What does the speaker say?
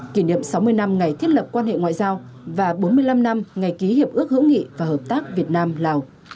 kỷ niệm sáu mươi năm ngày thiết lập quan hệ ngoại giao và bốn mươi năm năm ngày ký hiệp ước hữu nghị và hợp tác việt nam lào